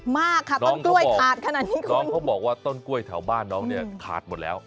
มากค่ะต้นกล้วยขาดขนาดนี้ก่อนน้องเขาบอกว่าต้นกล้วยแถวบ้านน้องเนี่ยขาดหมดแล้ว